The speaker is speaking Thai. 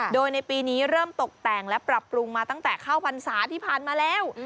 โดยในปีนี้เริ่มตกแต่งและปรับปรุงมาตั้งแต่เข้าพรรษาที่ผ่านมาแล้ว